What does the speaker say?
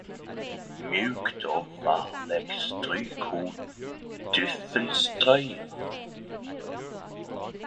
Mjukt og varleg stryk ho dyffelstrøya